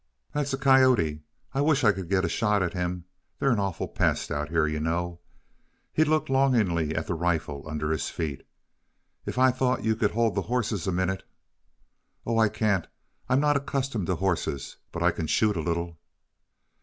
"That's a coyote. I wish I could get a shot at him they're an awful pest, out here, you know." He looked longingly at the rifle under his feet. "If I thought you could hold the horses a minute " "Oh, I can't! I I'm not accustomed to horses but I can shoot a little."